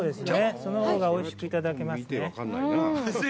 そのほうがおいしくいただけますね。